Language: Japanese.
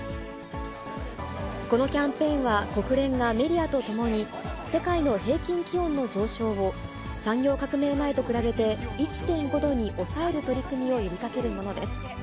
このキャンペーンは国連がメディアとともに、世界の平均気温の上昇を、産業革命前と比べて１．５度に抑える取り組みを呼びかけるものです。